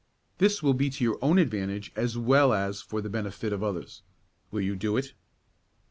This will be to your own advantage as well as for the benefit of others. Will you do it?"